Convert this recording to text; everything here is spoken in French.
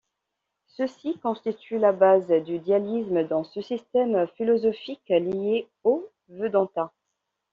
Ceci constitue la base du dualisme dans ce système philosophique lié au Vedanta.